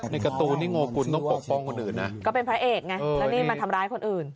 การ์ตูนนี่โงกุลต้องปกป้องคนอื่นนะก็เป็นพระเอกไงแล้วนี่มาทำร้ายคนอื่น